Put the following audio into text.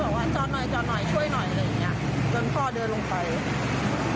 แล้วตามหายาดของแม่ลูกคู่นี้